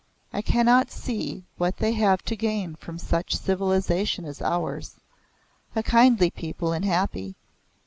I cannot see what they have to gain from such civilization as ours a kindly people and happy.